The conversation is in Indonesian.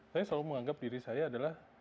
saya selalu menganggap diri saya adalah